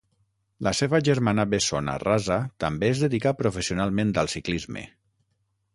La seva germana bessona Rasa també es dedicà professionalment al ciclisme.